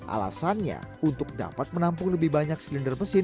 alasannya untuk dapat menampung lebih banyak silinder mesin